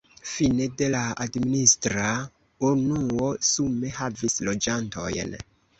Fine de la administra unuo sume havis loĝantojn.